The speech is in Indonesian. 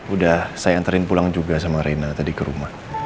udah saya antarin pulang juga sama rina tadi ke rumah